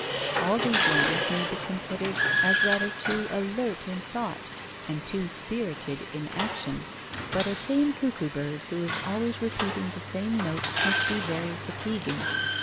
All these ladies may be considered as rather too alert in thought, and too spirited in action; but a tame cuckoo bird who is always repeating the same note must be very fatiguing.